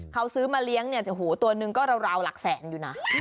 เขาซื้อมาเลี้ยงแต่ตัวนึงก็ราวหลักแสนอยู่นะ